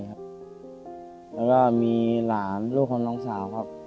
แล้วก็มีหลานลูกของน้องสาวครับ